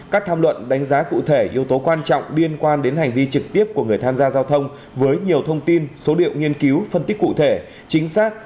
các tham luận đánh giá cụ thể yếu tố quan trọng liên quan đến hành vi trực tiếp của người tham gia giao thông với nhiều thông tin số liệu nghiên cứu phân tích cụ thể chính xác